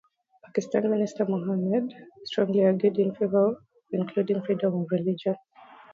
Pakistani minister Muhammad Zafarullah Khan strongly argued in favor of including freedom of religion.